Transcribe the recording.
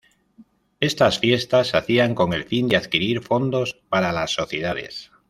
Estas fiestas se hacían con el fin de adquirir fondos para la Sociedades.